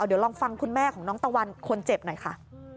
เดี๋ยวลองฟังคุณแม่ของน้องตะวันคนเจ็บหน่อยค่ะ